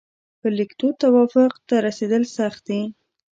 پر لیکدود توافق ته رسېدل سخت دي.